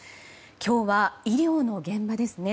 今日は医療の現場ですね。